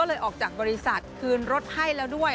เลยออกจากบริษัทคืนรถให้แล้วด้วย